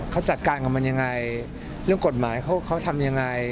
เขาจัดการกับมันยังไงเรื่องกฎหมายเขาทำยังไง